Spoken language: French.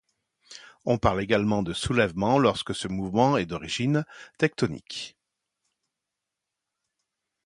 On parle également de soulèvement lorsque ce mouvement est d'origine tectonique.